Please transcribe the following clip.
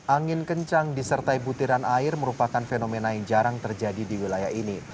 angin kencang disertai butiran air merupakan fenomena yang jarang terjadi di wilayah ini